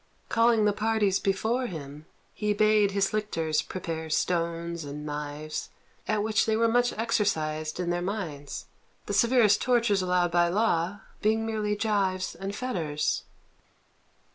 Calling the parties before him, he bade his lictors prepare stones and knives, at which they were much exercised in their minds, the severest tortures allowed by law being merely gyves and fetters.